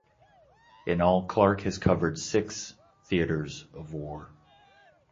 In all Clark has covered six theatres of war.